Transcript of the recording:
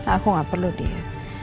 aku gak perlu dia